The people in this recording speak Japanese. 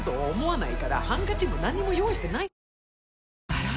あら！